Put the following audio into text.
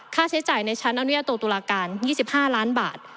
ค่าใช้จ่ายในชั้นอนุญาโตตุลาการ๒๕ล้านบาท